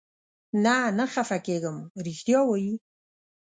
نه، نه خفه کېږم، رښتیا وایې؟